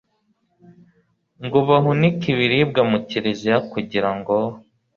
ngo bahunike ibiribwa mu kiriziya kugira ngo